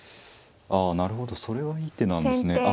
ああなるほどそれはいい手なんですね。